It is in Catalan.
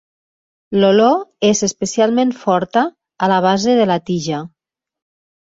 L'olor és especialment forta a la base de la tija.